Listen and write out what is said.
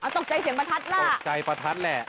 ตกใจเสียงประทัดล่ะ